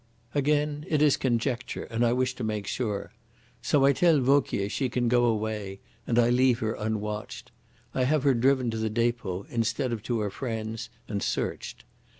Again it is conjecture, and I wish to make sure. So I tell Vauquier she can go away, and I leave her unwatched. I have her driven to the depot instead of to her friends, and searched.